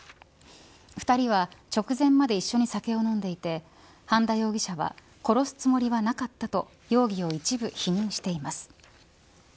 ２人は直前まで一緒に酒を飲んでいて半田容疑者は殺すつもりはなかったと容疑を一部否認しています。